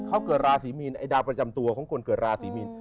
เขาเกิดราศีมีนไอ้ดาวประจำตัวของคนเกิดราศีมีน